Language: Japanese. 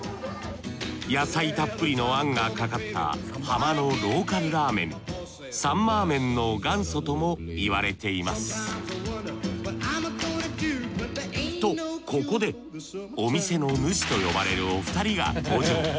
野菜たっぷりのあんがかかったハマのローカルラーメンサンマーメンの元祖ともいわれていますとここでお店の主と呼ばれるお二人が登場。